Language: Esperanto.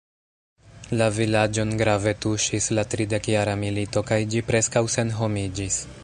La vilaĝon grave tuŝis la tridekjara milito kaj ĝi preskaŭ senhomiĝis.